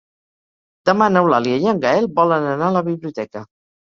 Demà n'Eulàlia i en Gaël volen anar a la biblioteca.